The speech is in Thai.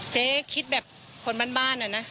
เจ๊คิดแบบคนบ้านอะนะ